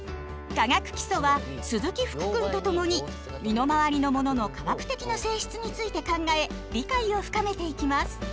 「化学基礎」は鈴木福くんと共に身の回りのものの化学的な性質について考え理解を深めていきます。